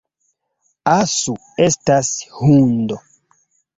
Asu estas hundo